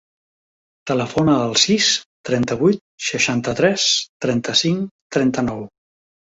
Telefona al sis, trenta-vuit, seixanta-tres, trenta-cinc, trenta-nou.